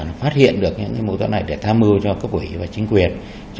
nó phát hiện được những mối thuận này để tha mưu cho các quỷ và chính quyền